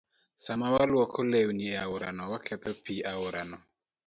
Sama walwoko lewni e aorano, waketho pi aorano.